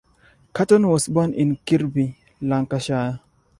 Caton was born in Kirkby, Lancashire.